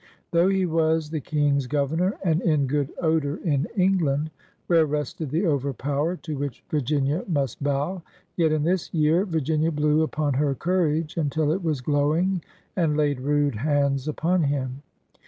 'J'hough he was the King's Governor and in good odor in En^gland, vhere rested the overpower to which Virginia must bo^, yet in this year Vir ginia blew upon her courage imtil it was glowing and laid rude hands upon him.